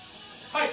はい！